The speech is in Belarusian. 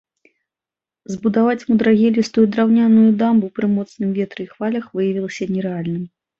Збудаваць мудрагелістую драўняную дамбу пры моцным ветры і хвалях выявілася нерэальным.